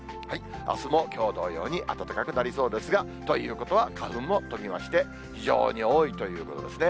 あすもきょう同様に暖かくなりそうですが、ということは、花粉も飛びまして、非常に多いということですね。